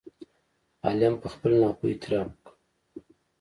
عالم په خپلې ناپوهۍ اعتراف وکړ.